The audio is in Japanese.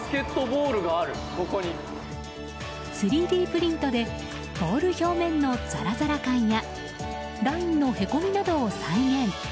３Ｄプリントでボール表面のザラザラ感やラインのへこみなどを再現。